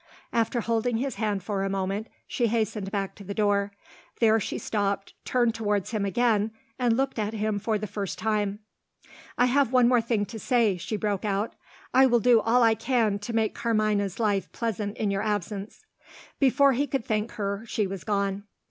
After holding his hand for a moment, she hastened back to the door. There she stopped, turned towards him again, and looked at him for the first time. "I have one thing more to say," she broke out. "I will do all I can to make Carmina's life pleasant in your absence." Before he could thank her, she was gone.